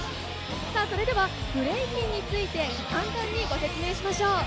それではブレイキンについて簡単にご説明しましょう。